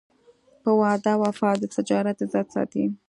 په وعده وفا د تجارت عزت ساتي.